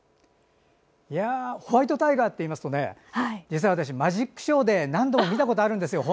ホワイトタイガーといいますと実は私、マジックショーで何度も見たことあるんです。